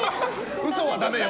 嘘はだめよ。